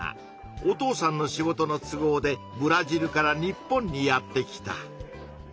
お父さんの仕事の都合でブラジルから日本にやって来た。